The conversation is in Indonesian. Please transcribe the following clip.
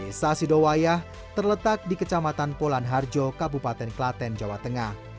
desa sidowayah terletak di kecamatan polan harjo kabupaten klaten jawa tengah